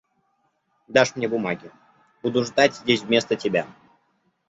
Дашь мне бумаги, буду ждать здесь вместо тебя.